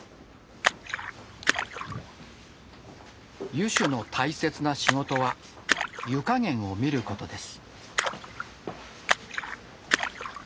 湯主の大切な仕事は湯加減を見ることです。